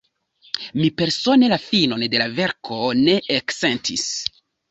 Mi persone la finon de la verko ne eksentis.